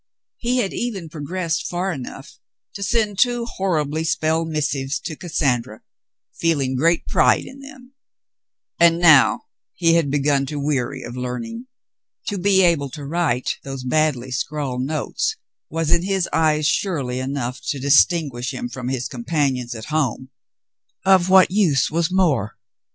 He had even pro gressed far enough to send two horribly spelled missives to Cassandra, feeling great pride in them. And now he David visits the Bishop 139 had begun to weary of learning. To be able to write those badly scrawled notes was in his eyes surely enough to dis tinguish him from his companions at home ; of what use was more